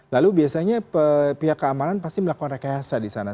lalu biasanya pihak keamanan pasti melakukan rekayasa disana